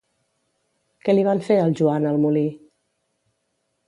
Què li van fer al Joan al molí?